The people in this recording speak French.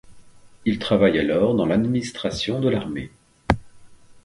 Il travaille alors dans l'administration de l'armée.